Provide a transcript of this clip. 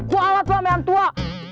kuala tuamean tua